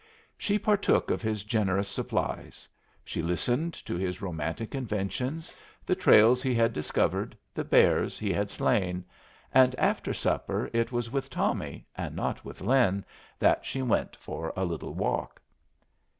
She partook of his generous supplies; she listened to his romantic inventions, the trails he had discovered, the bears he had slain; and after supper it was with Tommy, and not with Lin, that she went for a little walk.